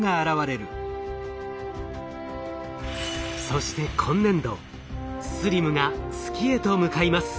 そして今年度ＳＬＩＭが月へと向かいます。